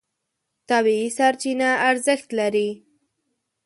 طبیعي سرچینه ارزښت لري.